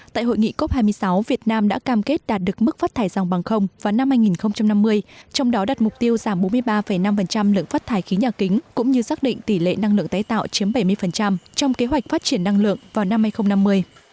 tại hội nghị cop hai mươi sáu việt nam đã cam kết đạt được mức phát thải dòng bằng không vào năm hai nghìn năm mươi trong đó đặt mục tiêu giảm bốn mươi ba năm lượng phát thải khí nhà kính cũng như xác định tỷ lệ năng lượng tái tạo chiếm bảy mươi trong kế hoạch phát triển năng lượng vào năm hai nghìn năm mươi